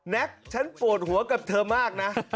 แก๊กฉันปวดหัวกับเธอมากนะ